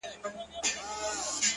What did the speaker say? لويه گناه ـ